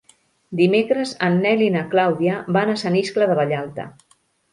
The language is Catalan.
Dimecres en Nel i na Clàudia van a Sant Iscle de Vallalta.